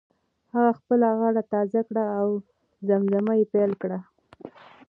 هغه خپله غاړه تازه کړه او زمزمه یې پیل کړه.